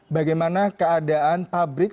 bagaimana keadaan pabrik